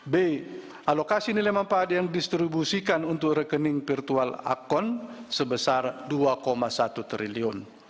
b alokasi nilai manfaat yang didistribusikan untuk rekening virtual akun sebesar rp dua satu triliun